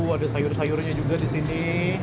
ada sayur sayurnya juga disini